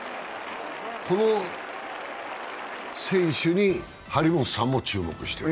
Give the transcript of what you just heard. この選手に張本さんも注目している。